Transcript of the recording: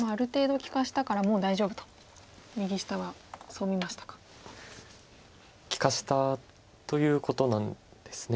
利かしたということなんですね。